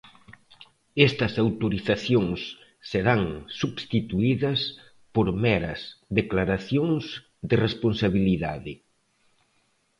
Estas autorizacións serán substituídas por meras declaracións de responsabilidade.